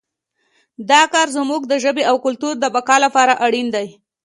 دا کار زموږ د ژبې او کلتور د بقا لپاره اړین دی